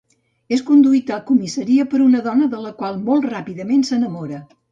És conduït a comissaria per una dona de la qual molt ràpidament s'enamora.